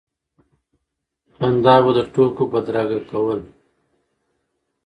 خندا به د ټوکو بدرګه کوله.